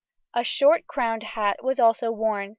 A short crowned hat was also worn.